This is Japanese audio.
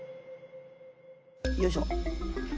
よいしょ。